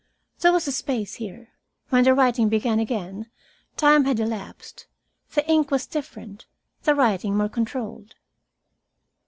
'" (There was a space here. When the writing began again, time had elapsed. The ink was different, the writing more controlled.)